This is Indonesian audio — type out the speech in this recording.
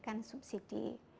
pemerintah harus memberikan subsidi